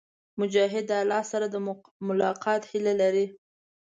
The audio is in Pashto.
مجاهد د الله سره د ملاقات هيله لري.